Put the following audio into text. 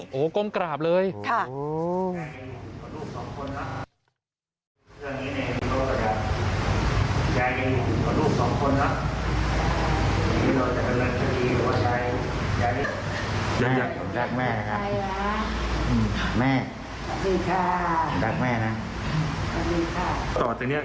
โอ้โหก้มกราบเลย